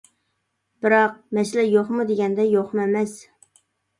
بىراق، مەسىلە يوقمۇ دېگەندە، يوقمۇ ئەمەس.